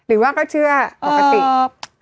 หรือว่าก็เพื่อเชื่อปกติ